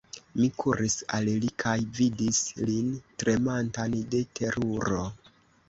Mi kuris al li kaj vidis lin tremantan de teruro.